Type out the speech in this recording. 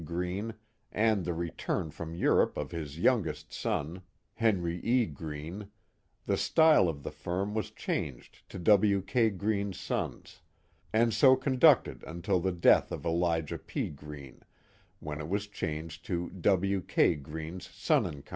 Greene, and the return from Europe of his youngest son, Henry E. Greene, the style of the firm was changed to W. K. Greene's Sons, and so conducted until the death of Elijah P. Greene, when it was changed to W. K. Greene's Son & Co.